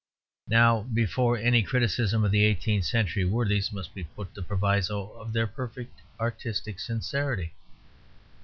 Now before any criticism of the eighteenth century worthies must be put the proviso of their perfect artistic sincerity.